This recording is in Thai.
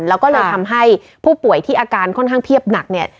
แล้วก็เลยทำให้ผู้ป่วยที่อาการค่อนข้างเพียบหนักเนี่ย